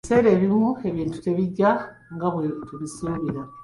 Ebiseera ebimu ebintu tebijja nga bwe tubisuubira.